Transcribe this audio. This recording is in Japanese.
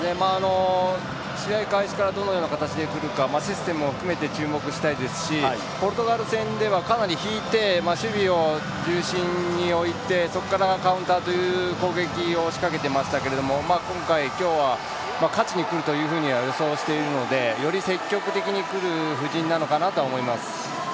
試合開始からどのような形でくるかシステムも含めて注目したいですしポルトガル戦ではかなり引いて守備を重心においてそこからカウンターという攻撃を仕掛けてましたけども今回、今日は勝ちにくるというふうには予想しているのでより積極的にくる布陣なのかなとは思います。